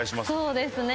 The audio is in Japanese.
そうですね。